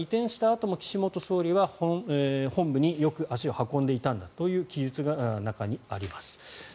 あとも岸元総理は本部によく足を運んでいたという記述が中にあります。